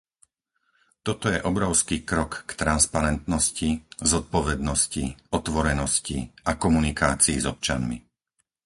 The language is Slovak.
Toto je obrovský krok k transparentnosti, zodpovednosti, otvorenosti a komunikácii s občanmi.